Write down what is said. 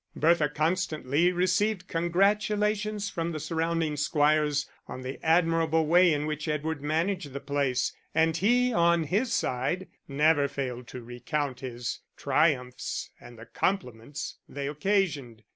Bertha constantly received congratulations from the surrounding squires on the admirable way in which Edward managed the place, and he, on his side, never failed to recount his triumphs and the compliments they occasioned.